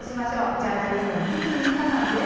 ジャーナリストの堤未果さんです。